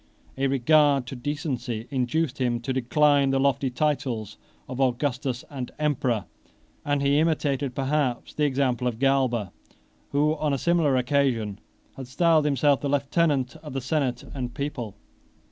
A regard to decency induced him to decline the lofty titles of Augustus and Emperor; and he imitated perhaps the example of Galba, who, on a similar occasion, had styled himself the Lieutenant of the senate and people.